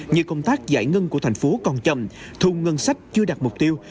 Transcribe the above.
như công tác giải ngân của thành phố còn chậm thu ngân sách chưa đạt mục tiêu